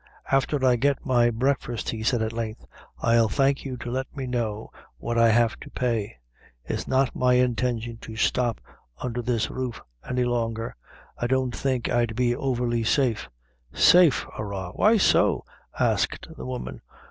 "Afther I get my breakfast," he said at length, "I'll thank you to let me know what I have to pay. It's not my intention to stop undher this roof any longer; I don't think I'd be overly safe." "Safe! arrah why so?" asked the woman.